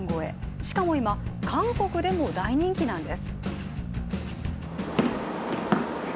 しかも今、韓国でも大人気なんです。